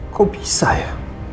kok bisa ya